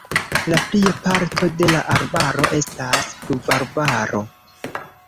La plia parto de la arbaro estas pluvarbaro.